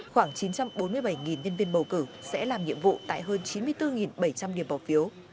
khoảng chín trăm bốn mươi bảy nhân viên bầu cử sẽ làm nhiệm vụ tại hơn chín mươi bốn bảy trăm linh điểm bỏ phiếu